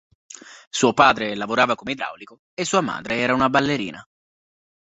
Suo padre lavorava come idraulico e sua madre era una ballerina.